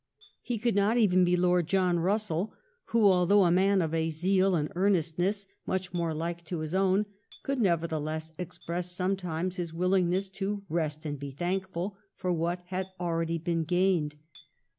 He could not even be Lord John Russell, who, although a man of a zeal and earnestness much more like to his own, could nevertheless express sometimes his willingness to " rest and be thankful " for what had already been gained.